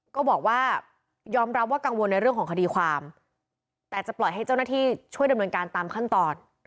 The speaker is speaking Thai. ก็บอกว่ายอมรับว่ากังวลในเรื่องของคดีความแต่จะปล่อยให้เจ้าหน้าที่ช่วยดำเนินการตามขั้นตอน